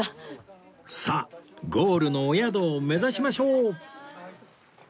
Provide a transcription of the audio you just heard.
さあゴールのお宿を目指しましょう！